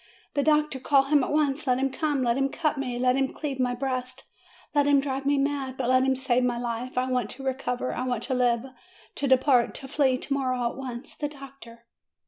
The doctor! Call him at once! let him come, let him cut me, let him cleave my breast, let him drive me mad ; but let him save my life! I want to recover; I want to live, to depart, to flee, to morrow, at once ! The doctor